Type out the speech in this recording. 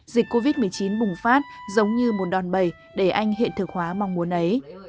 dịch covid một mươi chín bùng phát giống như một đòn bầy để anh hiện thực hóa mong muốn ấy